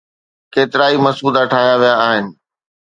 ڪيترائي مسودا ٺاهيا ويا آهن.